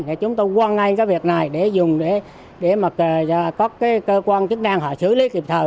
thì chúng tôi hoan nghênh cái việc này để dùng để mà có cái cơ quan chức năng họ xử lý kịp thời